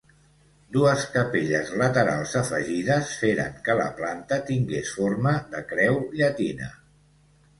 Dues capelles laterals afegides feren que la planta tingués forma de creu llatina.